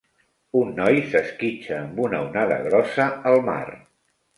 Un noi s'esquitxa amb una onada grossa al mar.